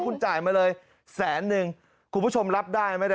คุณจ่ายมาเลยแสนนึงคุณผู้ชมรับได้ไหมเนี่ย